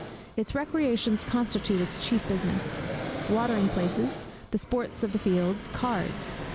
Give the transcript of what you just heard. Its recreations constitute its chief business. Watering places the sports of the field cards!